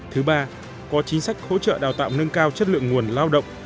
thứ ba có chính sách hỗ trợ đào tạo nâng cao chất lượng nguồn lao động